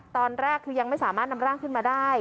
ตอนแรกคือยังไม่สามารถนำร่างขึ้นมาได้